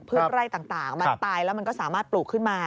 ไร่ต่างมันตายแล้วมันก็สามารถปลูกขึ้นมา